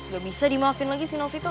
gak bisa dimaafin lagi si novi tuh